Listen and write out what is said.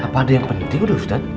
apaan yang penting udah ustaz